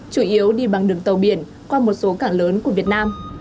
chủ yếu đi bằng đường tàu biển qua một số cảng lớn của việt nam